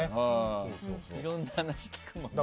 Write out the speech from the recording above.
いろんな話聞くもんね。